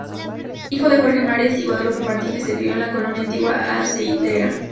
Hijo de Jorge Mares y Guadalupe Martínez, se crio en la colonia Antigua Aceitera.